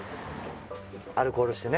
アルコールしてね